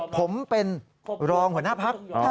ผมเป็นรองหัวหน้าพัก